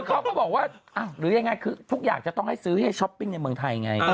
เขาก็บอกว่าหรือยังไงคือทุกอย่างจะต้องให้ซื้อให้ช้อปปิ้งในเมืองไทยไง